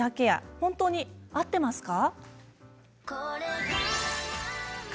本当に合っていますか？